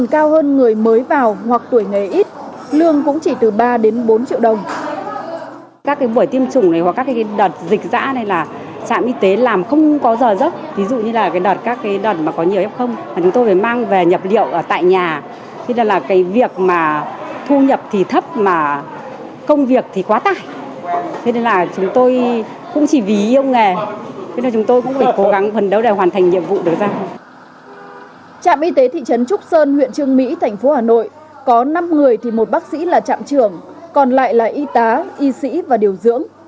có năm người thì một bác sĩ là trạm trưởng còn lại là y tá y sĩ và điều dưỡng